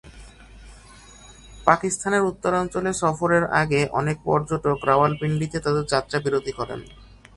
পাকিস্তানের উত্তরাঞ্চলে সফরের আগে অনেক পর্যটক রাওয়ালপিন্ডিতে তাঁদের যাত্রা বিরতি করেন।